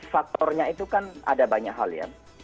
faktornya itu kan ada banyak hal ya